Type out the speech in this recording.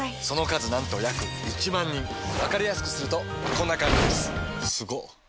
その数なんと約１万人わかりやすくするとこんな感じすごっ！